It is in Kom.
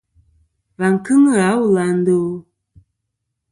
Và kɨŋ ghà a wul à ndo ?